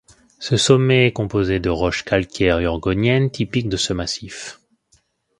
Ce sommet est composé de roche calcaire urgonienne typique de ce massif.